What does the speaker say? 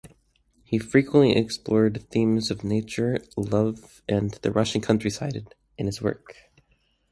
He frequently explored themes of nature, love, and the Russian countryside in his work.